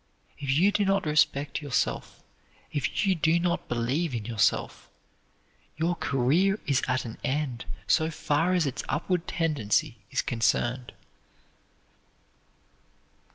If you do not respect yourself; if you do not believe in yourself, your career is at an end so far as its upward tendency is concerned.